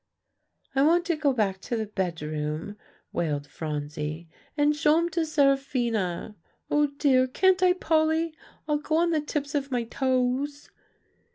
"I want to go back to the bedroom," wailed Phronsie, "and show 'em to Seraphina. Oh, dear! can't I, Polly? I'll go on the tips of my toes."